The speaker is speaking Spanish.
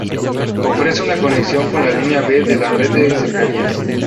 Ofrece una conexión con la línea B de la red de cercanías.